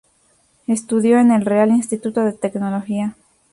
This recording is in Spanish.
Estudió en el Real Instituto de Tecnología.